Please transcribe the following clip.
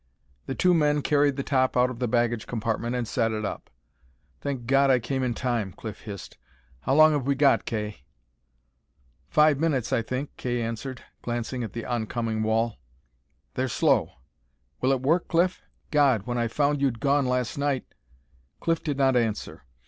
The two men carried the top out of the baggage compartment and set it up. "Thank God I came in time," Cliff hissed. "How long have we got, Kay?" "Five minutes, I think," Kay answered, glancing at the oncoming wall. "They're slow. Will it work, Cliff? God, when I found you'd gone last night " Cliff did not answer.